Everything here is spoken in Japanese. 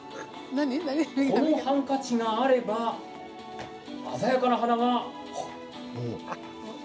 このハンカチがあれば鮮やかな花が。